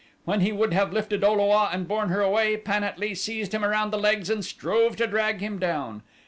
When he would have lifted O lo a and borne her away Pan at lee seized him around the legs and strove to drag him down.